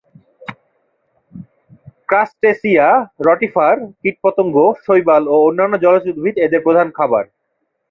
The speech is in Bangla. ক্রাসটেসিয়া, রটিফার, কীটপতঙ্গ, শৈবাল ও অন্যান্য জলজ উদ্ভিদ এদের প্রধান খাবার।